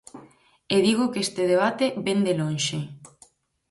E digo que este debate vén de lonxe.